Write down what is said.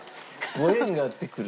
ご縁があって来る。